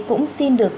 cũng xin được